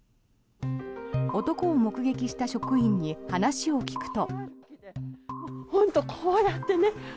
男を目撃した職員に話を聞くと。